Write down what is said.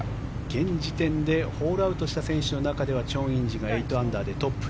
現時点でホールアウトした選手の中ではチョン・インジが８アンダーでトップ。